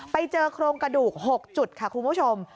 ไปเจอโครงกระดูก๖จุดค่ะคุณผู้ชม